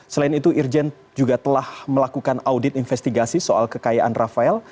selain itu irjen juga telah melakukan audit investigasi soal kekayaan rafael